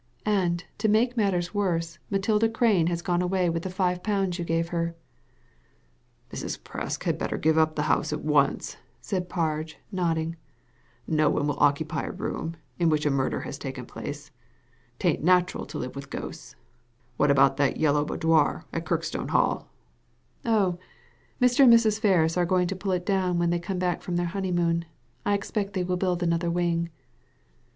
And, to make matters worse, Matilda Crane has gone away with the five pounds you gave her." " Mrs. Presk had better give up the house at once " said Parge, nodding. " No one will occupy a room in which a murder has taken place. 'Taint nat'ral to live with ghosts. What about that Yellow Boudoir atKirkstoneHall?" 0h! Mr. and Mrs. Ferris are going to pull it down when they come back from their honeymoon, I expect they will build another wing."